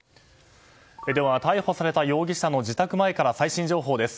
逮捕された容疑者の自宅前から最新情報です。